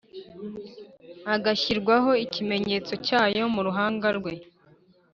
agashyirwaho ikimenyetso cyayo mu ruhanga rwe